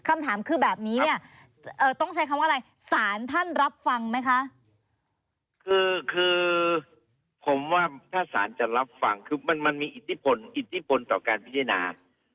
มันจะรับฝั่งคือมันมีอิติปนต่อการพิเศษนา